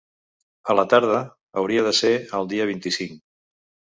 A la tarda hauria de ser el dia vint-i-cinc.